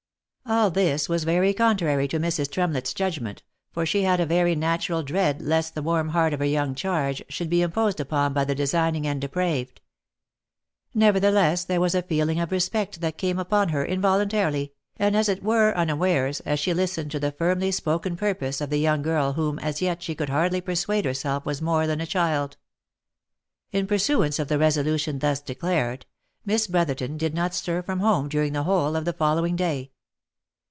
'* All this was very contrary to Mrs. Tremlett's judgment, for she had a very natural dread lest the warm heart of her young charge, should be imposed upon by the designing and depraved. Nevertheless there was a feeling of respect that came upon her involuntarily, and as it were un awares, as she listened to the firmly spoken purpose of the young girl whom as yet she could hardly persuade herself was more than a child. In pursuance of the resolution thus declared, Miss Brotherton did not stir from home during the whole of the following day.